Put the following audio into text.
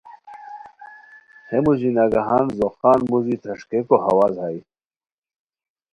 ہے موژی نگہان ځوخان موژی تھرݰکئیکو ہواز ہائے